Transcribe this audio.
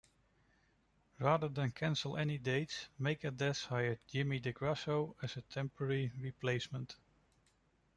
Rather than cancel any dates, Megadeth hired Jimmy DeGrasso as a temporary replacement.